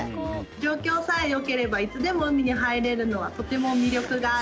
状況さえよければいつでも海に入れるのはとても魅力があると思います。